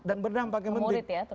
dan berdampak yang penting